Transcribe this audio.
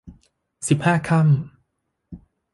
สิบห้าค่ำ